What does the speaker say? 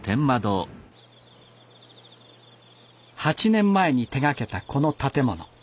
８年前に手がけたこの建物。